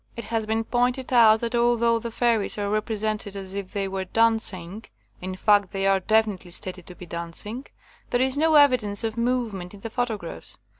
' *'It has been pointed out that although the * fairies' are represented as if they were dancing — in fact they are definitely stated to be dancing — there is no evidence of move ment in the photographs.